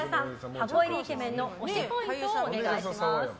箱入りイケメンの推しポイントをお願いします。